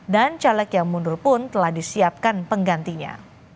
dan caleg yang mundur pun telah disiapkan penggantinya